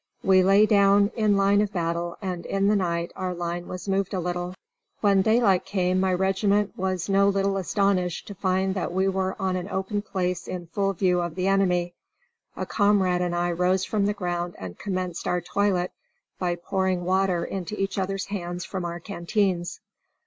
We lay down in line of battle and in the night our line was moved a little. When daylight came my regiment was no little astonished to find that we were on an open place in full view of the enemy. A comrade and I rose from the ground and commenced our toilet, by pouring water into each other's hands from our canteens.